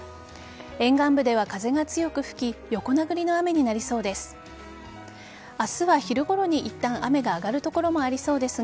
沿岸部では風が強く吹き横殴りの雨になりそうです。